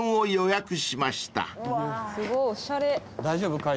大丈夫？